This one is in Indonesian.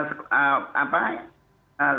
supas dimana apa ya